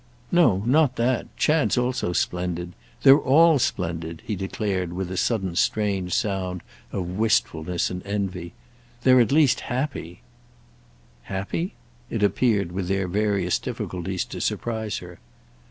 "No—not that. Chad's also splendid. They're all splendid!" he declared with a sudden strange sound of wistfulness and envy. "They're at least happy." "Happy?"—it appeared, with their various difficulties, to surprise her.